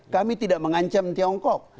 kami tidak mengancam tiongkok